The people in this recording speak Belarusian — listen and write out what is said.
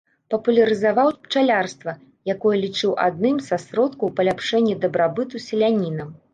Папулярызаваў пчалярства, якое лічыў адным са сродкаў паляпшэння дабрабыту селяніна.